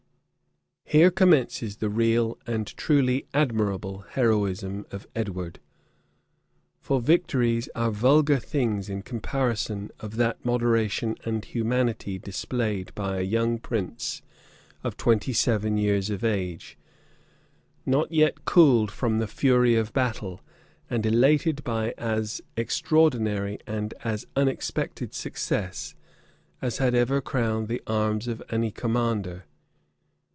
Here commences the real and truly admirable heroism of Edward; for victories are vulgar things in comparison of that moderation and humanity displayed by a young prince of twenty seven years of age, not yet cooled from the fury of battle, and elated by as extraordinary and as unexpected success as had ever crowned the arms of any commander.